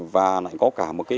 và có cả một cái